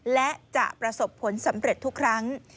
และจะประสบผลสำเร็จทุกครั้ง